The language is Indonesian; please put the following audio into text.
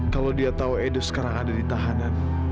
kalau dia tahu edo sekarang ada di tahanan